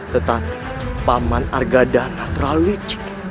tetapi paman argadana terlalu licik